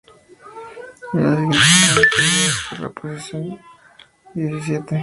En la siguiente semana, subió hasta la posición diecisiete.